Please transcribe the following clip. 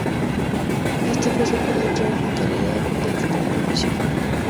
Este fue su primer trabajo en calidad de actor profesional.